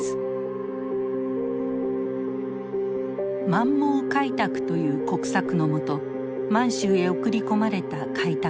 「満蒙開拓」という国策のもと満州へ送り込まれた開拓民。